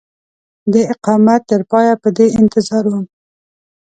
د اقامت تر پایه په دې انتظار وم.